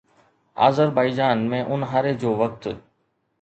Azerbaijan ۾ اونهاري جو وقت